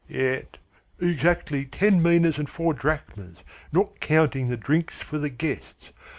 Yet " "Exactly ten minas and four drachmas, not counting the drinks for the guests.